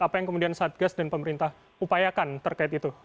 apa yang kemudian satgas dan pemerintah upayakan terkait itu